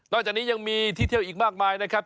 จากนี้ยังมีที่เที่ยวอีกมากมายนะครับ